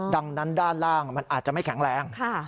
ดังนั้นด้านล่างมันอาจจะไม่แข็งแรง